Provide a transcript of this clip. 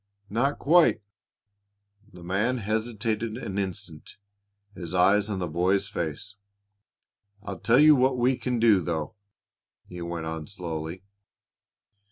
"Not quite," The man hesitated an instant, his eyes on the boy's face. "I'll tell you what we can do, though," he went on slowly.